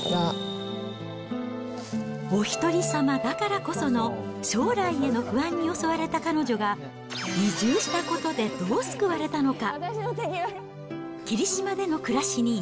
おひとりさまだからこその、将来への不安に襲われた彼女が、移住したことで、どう救われたのか。